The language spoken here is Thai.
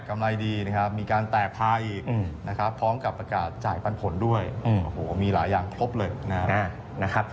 กำไรสูงมากมีการแตกพายีกพร้อมกับประกาศจ่ายปันผลด้วยมีหลายอย่างครบเลยนะครับ